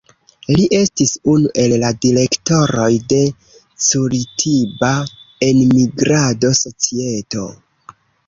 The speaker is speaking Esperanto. Li estis unu el la direktoroj de Curitiba Enmigrado Societo.